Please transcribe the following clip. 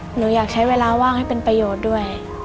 หนูอยากใช้เวลาว่างให้เป็นประโยชน์ด้วย